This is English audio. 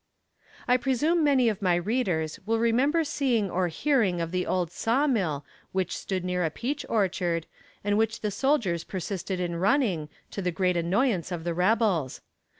I presume many of my readers will remember seeing or hearing of the old saw mill which stood near a peach orchard, and which the soldiers persisted in running, to the great annoyance of the rebels.